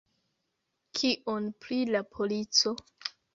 Kion pri la polico?